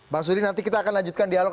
bang sudir nanti kita akan lanjutkan dialog